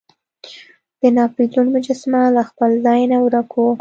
د ناپلیون مجسمه له خپل ځای نه ورک وه.